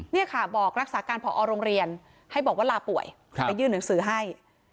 นี่ค่ะบอกรักษาการผอโรงเรียนให้บอกว่าลาป่วยไปยื่นหนังสือให้